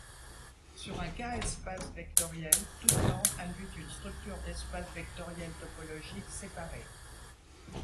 Sur un K-espace vectoriel, toute norme induit une structure d'espace vectoriel topologique séparé.